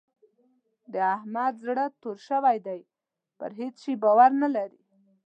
د احمد زړه توری شوی دی؛ پر هيڅ شي باور نه لري.